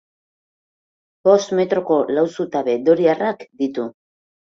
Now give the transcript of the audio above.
Bost metroko lau zutabe doriarrak ditu.